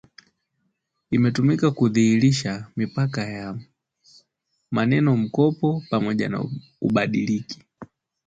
imetumika kudhihirisha mipaka ya manenomkopo pamoja na ubadiliki